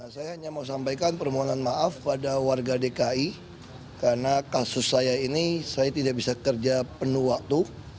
saya hanya mau sampaikan permohonan maaf pada warga dki karena kasus saya ini saya tidak bisa kerja penuh waktu